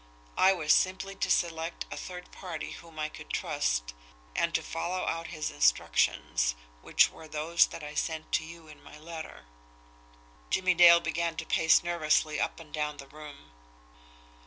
I was simply to select a third party whom I could trust, and to follow out his instructions, which were those that I sent to you in my letter." Jimmie Dale began to pace nervously up and down the room.